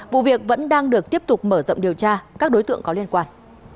vụ việc vẫn đang được tiếp tục mở rộng điều tra các đối tượng có liên quan